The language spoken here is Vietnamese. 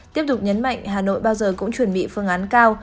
tiếp tục nhấn mạnh hà nội bao giờ cũng chuẩn bị phương án cao